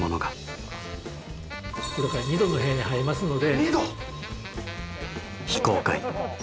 これから２℃の部屋に入りますので。